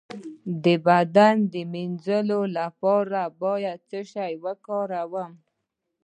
د بدن د مینځلو لپاره باید څه شی وکاروم؟